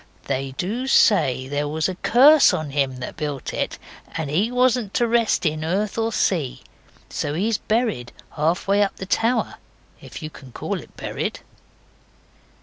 They do say there was a curse on him that built it, and he wasn't to rest in earth or sea. So he's buried half way up the tower if you can call it buried.